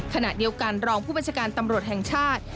ขณะเดียวกันรองผู้บัญชาการตำรวจแห่งชาติ